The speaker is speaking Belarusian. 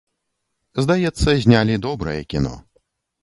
Здаецца, знялі добрае кіно.